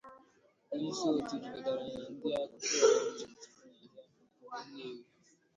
onyeisi òtù jikọtara ndị na-ere akụkụ ọgbatumtum n'ahịa Nkwọ Nnewi